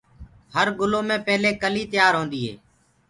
هر گُلو مي پيلي ڪِلي تيآر هوندي هي۔